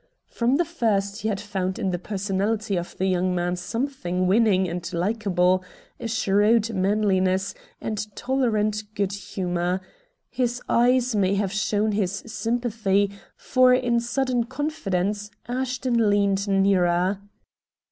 From the first he had found in the personality of the young man something winning and likable; a shrewd manliness and tolerant good humor. His eyes may have shown his sympathy, for, in sudden confidence, Ashton leaned nearer.